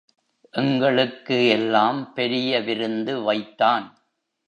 எங்களுக்கு எல்லாம் பெரிய விருந்து வைத்தான்.